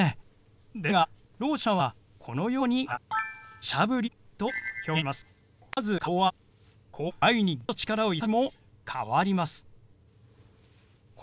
ですがろう者はこのように表します。